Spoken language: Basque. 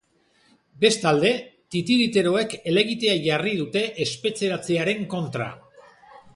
Bestalde, titiriteroek helegitea jarri dute espetxeratzearen kontra.